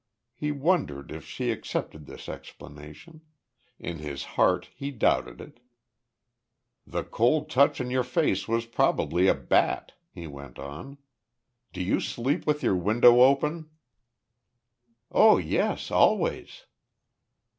He wondered if she accepted this explanation. In his heart he doubted it. "The cold touch on your face was probably a bat," he went on. "Do you sleep with your window open?" "Oh yes, always."